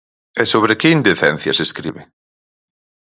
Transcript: E sobre que indecencias escribe?